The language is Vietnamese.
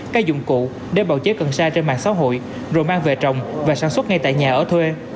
các dụng cụ để bào chế cần sai trên mạng xã hội rồi mang về trồng và sản xuất ngay tại nhà ở thuê